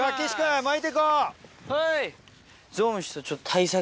はい！